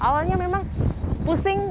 awalnya memang pusing